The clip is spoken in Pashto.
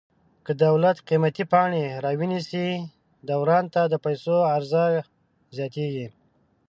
که دولت قیمتي پاڼې را ونیسي دوران ته د پیسو عرضه زیاتیږي.